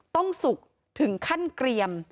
สุกถึงขั้นเกรียม